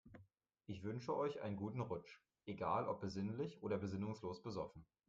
Ich wünsche euch einen guten Rutsch, egal ob besinnlich oder besinnungslos besoffen.